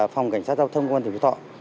phòng cảnh sát giao thông công an tỉnh phú thọ